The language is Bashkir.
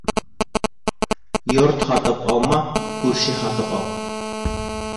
Йорт һатып алма, күрше һатып ал.